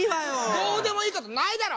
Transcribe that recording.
どうでもいいことないだろ！